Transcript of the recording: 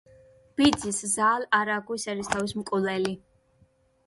ბიძის, ზაალ არაგვის ერისთავის მკვლელი.